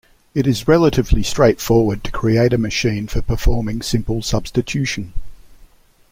It is relatively straightforward to create a machine for performing simple substitution.